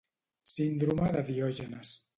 Síndrome de Diògenes